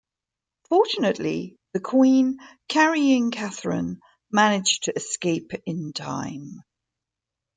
Fortunately, the Queen, carrying Katherine, managed to escape in time.